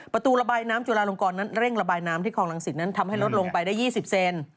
ประตูระบายน้ำจุลาลงกรนั้นเร่งระบายน้ำที่คลองรังสิตนั้นทำให้ลดลงไปได้๒๐เซน